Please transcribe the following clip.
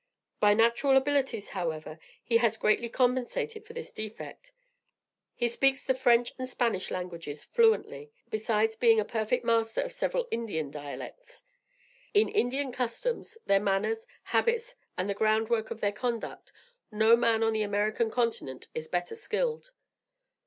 By natural abilities, however, he has greatly compensated for this defect. He speaks the French and Spanish languages fluently, besides being a perfect master of several Indian dialects. In Indian customs, their manners, habits and the groundwork of their conduct, no man on the American continent is better skilled.